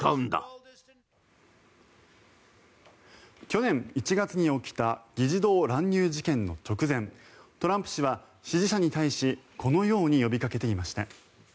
去年１月に起きた議事堂乱入事件の直前トランプ氏は支持者に対しこのように呼びかけていました。